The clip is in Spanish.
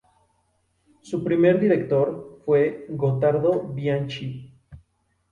Su primer director fue Gotardo Bianchi.